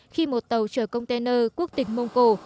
khi một tàu chở container quốc tịch mông cổ